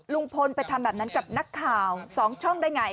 ลุงพลไปทำแบบนั้นกับนักข่าว๒ช่องได้ไง